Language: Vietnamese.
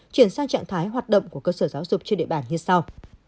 chuyển sang trạng thái hoạt động của cơ sở giáo dục trên địa bàn như sau